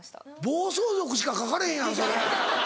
暴走族しか書かれへんやんそれ。